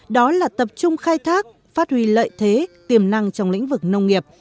đó là tập trung khai thác phát huy lợi thế tiềm năng trong lĩnh vực nông nghiệp